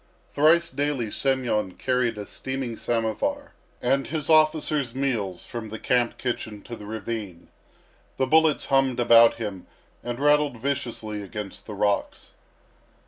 Thrice daily Semyon carried a steaming samovar and his officer's meals from the camp kitchen to the ravine. The bullets hummed about him and rattled viciously against the rocks.